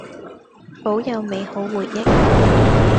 保有美好回憶